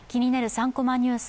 ３コマニュース」